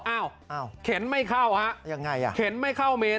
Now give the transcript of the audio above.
อ้าวเข็นไม่เข้าฮะยังไงอ่ะเข็นไม่เข้าเมน